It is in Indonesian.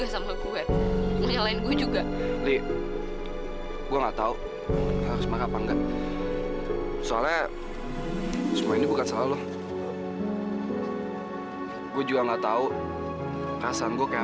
sampai jumpa di video selanjutnya